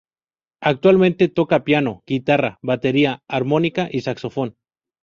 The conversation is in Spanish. Actualmente toca piano, guitarra, batería, armónica y saxofón.